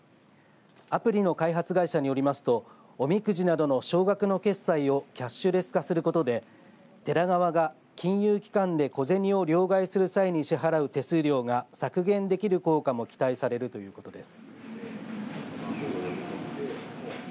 アプリの開発会社によりますとおみくじなどの小額の決済をキャッシュレス化することで寺側が金融機関で小銭を両替する際に支払う手数料が削減できる効果も期待されるということです。